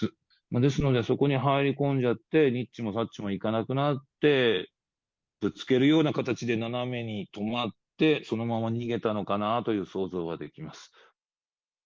ですので、そこに入り込んじゃって、にっちもさっちもいかなくなって、ぶつけるような形で斜めに止まって、そのまま逃げたのかなという想像はできます。